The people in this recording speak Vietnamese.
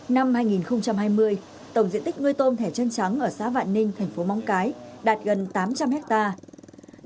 năm hai nghìn hai mươi tổng diện tích nuôi tôm thẻ chân trắng ở xã vạn ninh thành phố móng cái đạt gần tám trăm linh hectare